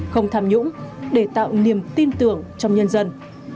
không tham nhũng để tạo niềm tin tưởng trong nhân dân